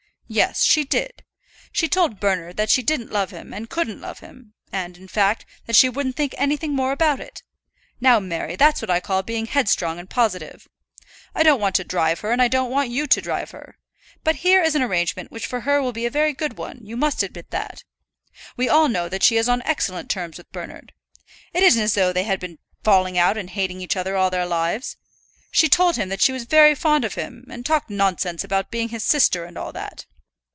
"Yes, she did. She told Bernard that she didn't love him and couldn't love him, and, in fact, that she wouldn't think anything more about it. Now, Mary, that's what I call being headstrong and positive. I don't want to drive her, and I don't want you to drive her. But here is an arrangement which for her will be a very good one; you must admit that. We all know that she is on excellent terms with Bernard. It isn't as though they had been falling out and hating each other all their lives. She told him that she was very fond of him, and talked nonsense about being his sister, and all that."